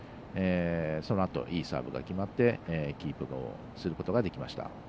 そのあといいサーブが決まってキープをすることができました。